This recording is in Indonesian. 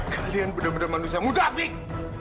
kalian benar benar manusia mudafik